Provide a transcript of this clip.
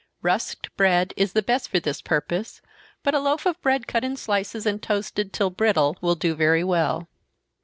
Rusked bread is the best for this purpose, but a loaf of bread cut in slices, and toasted till brittle, will do very well.